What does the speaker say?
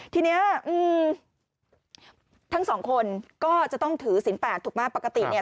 ทีนี้ทั้งสองคนก็จะต้องถือศีลแปดถูกไหมปกติเนี่ย